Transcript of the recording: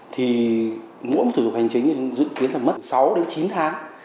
thì mỗi thủ tục hành chính dự kiến là mất sáu đến chín tháng